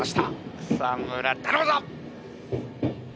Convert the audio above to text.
草村頼むぞ！